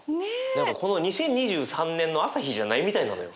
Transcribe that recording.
何かこの２０２３年の朝日じゃないみたいなのよ。